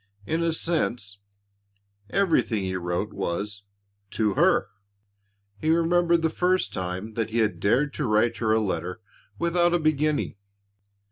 In a sense, everything he wrote was "To her." He remembered the first time that he had dared to write her a letter without a beginning.